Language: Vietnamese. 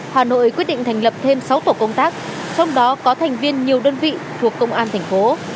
hà nội quyết định thành lập thêm sáu tổ công tác trong đó có thành viên nhiều đơn vị thuộc công an thành phố